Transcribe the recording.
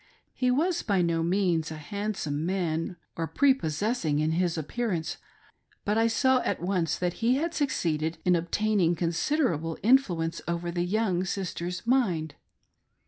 He was by no means a handsome man or prepossessing in his appearance, but I saw at once that he had succeeded in obtaining considerable influence over the young sister's mind.